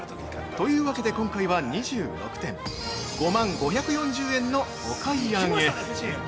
というわけで、今回は２６点、５万５４０円のお買い上げ！